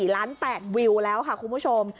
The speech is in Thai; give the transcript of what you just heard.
๔ล้าน๘วิวแล้วค่ะคุณผู้ชม